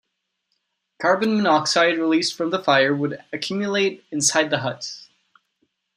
Carbon monoxide released from the fire would accumulate inside the hut.